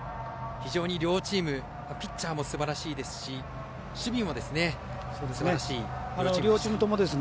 非常に両チームピッチャーもすばらしいですし守備もすばらしい両チームでした。